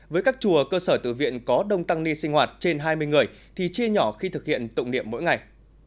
với các chùa cơ sở tự viện có đông tăng ni sinh hoạt trên hai mươi người thì chia nhỏ khi thực hiện tụng niệm mỗi ngày